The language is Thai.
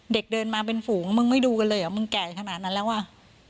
เด็กเดินมาเป็นฝูงมึงไม่ดูกันเลยเหรอมึงแก่ขนาดนั้นแล้วว่ะ